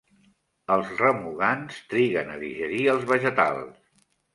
Els remugants triguen a digerir els vegetals.